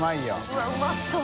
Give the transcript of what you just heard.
うわっうまそう！